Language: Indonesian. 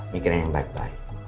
mikir yang baik baik